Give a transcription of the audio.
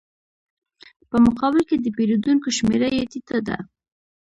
په مقابل کې د پېرودونکو شمېره یې ټیټه ده